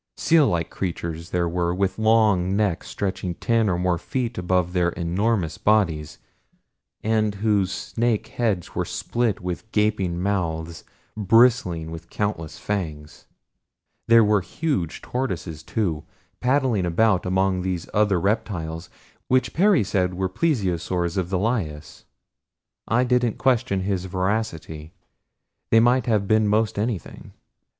Seal like creatures there were with long necks stretching ten and more feet above their enormous bodies and whose snake heads were split with gaping mouths bristling with countless fangs. There were huge tortoises too, paddling about among these other reptiles, which Perry said were Plesiosaurs of the Lias. I didn't question his veracity they might have been most anything.